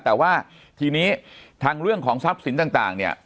แต่ว่าทีนี้ทางเรื่องของทรัพย์สินต่างเนี่ย